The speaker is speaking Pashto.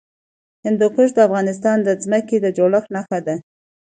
هندوکش د افغانستان د ځمکې د جوړښت نښه ده.